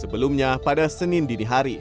sebelumnya pada senin dini hari